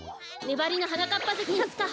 ねばりのはなかっぱぜきかつか？